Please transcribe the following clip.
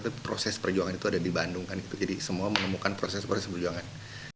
tapi proses perjuangan itu ada di bandung kan gitu jadi semua menemukan proses proses perjuangan